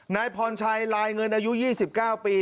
นายพรชัยลายเงินอายุ๒๙ปี